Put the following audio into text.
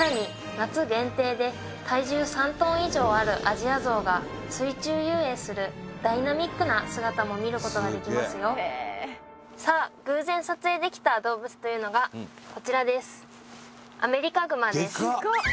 夏限定で体重３トン以上あるアジアゾウが水中遊泳するダイナミックな姿も見ることができますよさあアメリカグマです